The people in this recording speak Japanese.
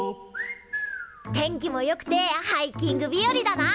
天気もよくてハイキングびよりだな！